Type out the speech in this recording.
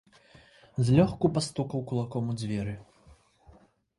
Злёгку пастукаў кулаком у дзверы.